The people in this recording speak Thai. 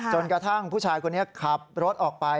จนกระทั่งผู้ชายคนนี้ขับรถออกไป